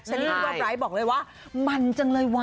ฉะนี้ก็ไบบอกเลยว่ามันจังเลยว้า